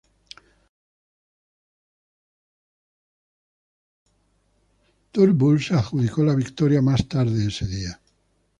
Turnbull se adjudicó la victoria más tarde ese día.